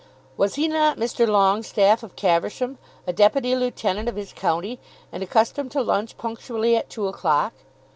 Was he not Mr. Longestaffe of Caversham, a Deputy Lieutenant of his County, and accustomed to lunch punctually at two o'clock?